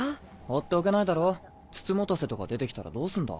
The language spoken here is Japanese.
放っておけないだろう美人局とか出て来たらどうすんだ？